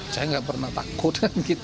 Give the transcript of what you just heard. saya enggak pernah takut